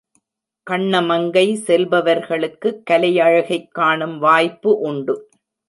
கண்ணமங்கை செல்பவர்களுக்குக் கலையழகைக் காணும் வாய்ப்பு உண்டு.